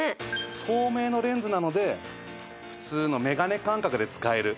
透明のレンズなので普通のメガネ感覚で使える。